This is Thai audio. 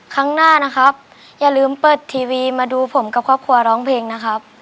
ครั้งหน้านะครับอย่าลืมเปิดทีวีมาดูผมกับครอบครัวร้องเพลงนะครับ